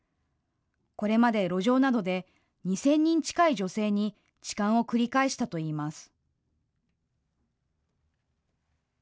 これまで路上などで２０００人近い女性に痴漢を繰り返したといいます。